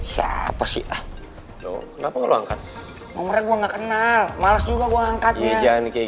siapa sih ah oh kenapa lo angkat ngomongnya gua nggak kenal malas juga gua angkatnya jangan kayak